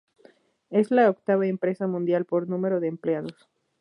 Es la octava empresa mundial por número de empleados.